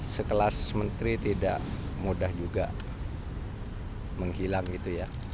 sekelas menteri tidak mudah juga menghilang gitu ya